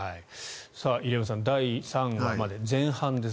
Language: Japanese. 入山さん、第３話まで前半です。